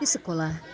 dia bisa lepas bermain